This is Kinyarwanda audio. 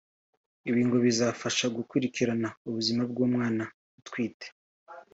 Ibi ngo bizamufasha gukurikirana ubuzima bw’umwana atwite